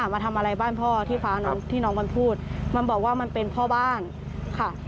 มาทำอะไรบ้านพ่อที่ฟ้าน้องที่น้องมันพูดมันบอกว่ามันเป็นพ่อบ้านค่ะ